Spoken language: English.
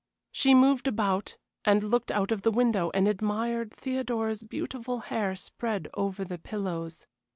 She moved about, and looked out of the window, and admired Theodora's beautiful hair spread over the pillows.